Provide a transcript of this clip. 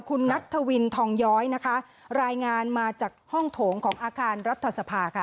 คุณนัทธวินทองย้อยนะคะรายงานมาจากห้องโถงของอาคารรัฐสภาค่ะ